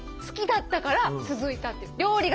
好きだったから続いたっていう。